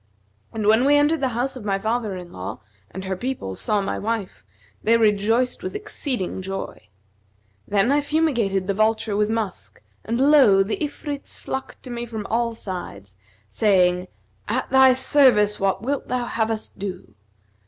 And when we entered the house of my father in law and her people saw my wife, they rejoiced with exceeding joy. Then I fumigated the vulture with musk and lo! the Ifrits flocked to me from all sides, saying, 'At thy service what wilt thou have us do?'